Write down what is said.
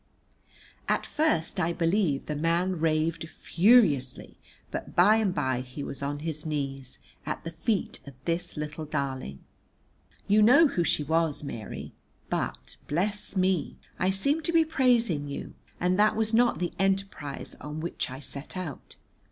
At first, I believe, the man raved furiously, but by and by he was on his knees at the feet of this little darling. You know who she was, Mary, but, bless me, I seem to be praising you, and that was not the enterprise on which I set out.